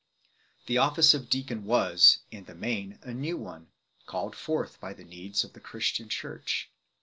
The office of deacon was, in the main, a new one, called forth by the needs of the Christian Church.